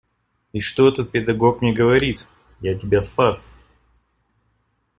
И что этот педагог мне говорит: я тебя спас.